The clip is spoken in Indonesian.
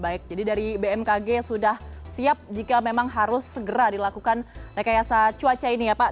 baik jadi dari bmkg sudah siap jika memang harus segera dilakukan rekayasa cuaca ini ya pak